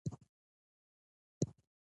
• د سهار روڼا د الله نعمت دی.